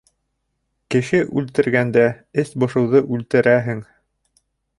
Кеше үлтергәндә, эс бошоуҙы үлтерәһең.